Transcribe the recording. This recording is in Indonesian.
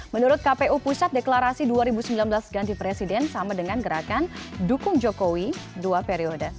menurut kpu pusat deklarasi dua ribu sembilan belas ganti presiden sama dengan gerakan dukung jokowi dua periode